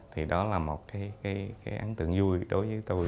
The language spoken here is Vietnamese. thì đó là một cái ấn tượng vui đối với tôi